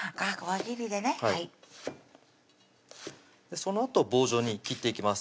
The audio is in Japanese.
そのあと棒状に切っていきます